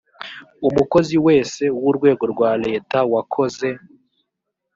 umukozi wese w urwego rwa leta wakoze